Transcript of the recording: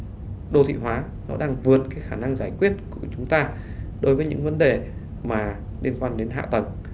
cái đô thị hóa nó đang vượt cái khả năng giải quyết của chúng ta đối với những vấn đề mà liên quan đến hạ tầng